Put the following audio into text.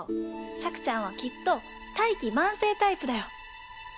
さくちゃんはきっと大器晩成タイプだよ。